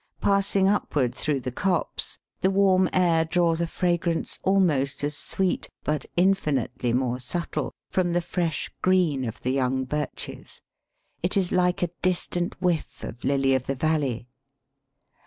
Passing upward through the copse, the warm air draws a fragrance almost as sweet, but infinitely more subtle, from the fresh green of the young birches; it is like a distant whiff of Lily of the Valley.